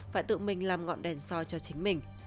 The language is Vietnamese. phải tự mình làm ngọn đèn soi cho chính mình